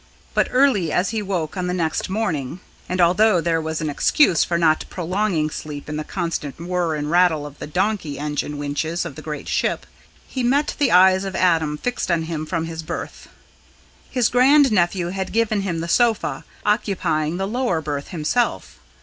But early as he woke on the next morning and although there was an excuse for not prolonging sleep in the constant whirr and rattle of the "donkey" engine winches of the great ship he met the eyes of Adam fixed on him from his berth. His grand nephew had given him the sofa, occupying the lower berth himself.